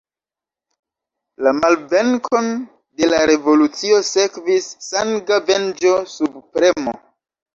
La malvenkon de la revolucio sekvis sanga venĝo, subpremo.